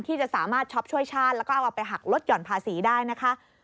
ที่จะสามารถช็อปช่วยชาติแล้วก็เอาไปหักลดห่อนภาษีได้นะคะ